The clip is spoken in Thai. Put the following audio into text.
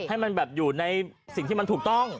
ให้มันแบบอยู่ในสิ่งที่มันถูกต้อง